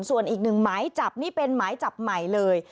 ส่วนอีกหนึ่งหมายจับนี่เป็นหมายจับใหม่เลย